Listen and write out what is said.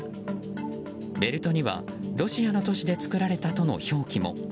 ベルトにはロシアの都市で作られたとの表記も。